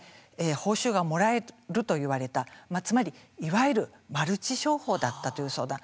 報酬がもらえると言われたつまり、いわゆるマルチ商法だったという相談